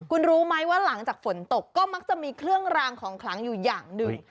คุณรู้ไหมว่าหลังจากฝนตกก็มักจะมีเครื่องรางของคลังอยู่อย่างหนึ่ง